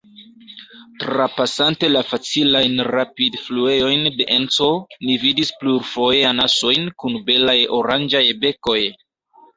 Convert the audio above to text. Trapasante la facilajn rapidfluejojn de Enco, ni vidis plurfoje anasojn kun belaj oranĝaj bekoj.